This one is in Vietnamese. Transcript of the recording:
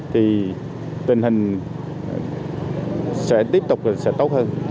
thì tình hình sẽ tiếp tục sẽ tốt hơn